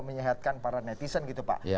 bisa juga menyehatkan para netizen gitu pak